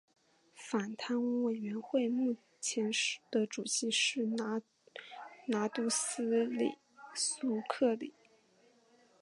反贪污委员会目前的主席是拿督斯里苏克里。